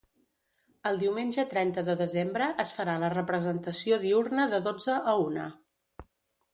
El diumenge trenta de desembre es farà la representació diürna de dotze a una.